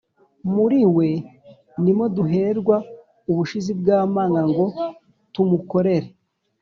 Muri we ni mo duherwa ubushizi bw’amanga ngo tumukorere